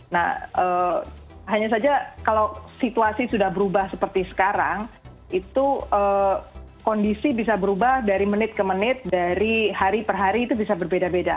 nah hanya saja kalau situasi sudah berubah seperti sekarang itu kondisi bisa berubah dari menit ke menit dari hari per hari itu bisa berbeda beda